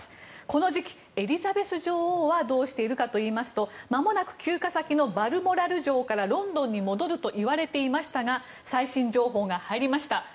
この時期、エリザベス女王はどうしているかといいますとまもなく休暇先のバルモラル城からロンドンに戻るといわれていましたが最新情報が入りました。